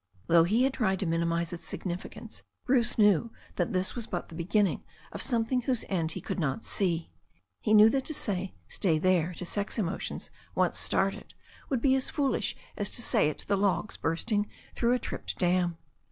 Though he had tried to minimize its significance, Bruce knew that this was but the beginning of something whose end he could not see. He knew that to say "Stay there" to sex emotions once started would be as foolish as to say it to logs bursting through a tripped dam.